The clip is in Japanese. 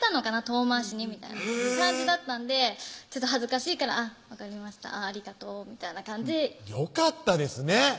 遠回しにみたいな感じだったんでちょっと恥ずかしいから「ありがとう」みたいな感じよかったですね